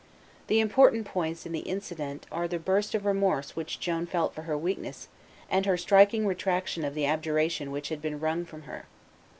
The important points in the incident are the burst of remorse which Joan felt for her weakness and her striking retractation of the abjuration which had been wrung from her.